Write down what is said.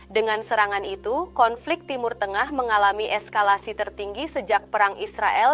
dengan serangan itu konflik timur tengah mengalami eskalasi tertinggi sejak perang israel